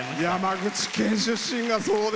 山口県出身。